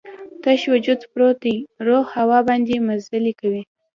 تش وجود پروت دی، روح هوا باندې مزلې کوي